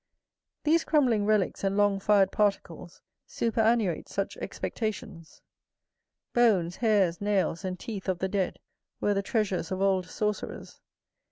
These crumbling relicks and long fired particles superannuate such expectations; bones, hairs, nails, and teeth of the dead, were the treasures of old sorcerers.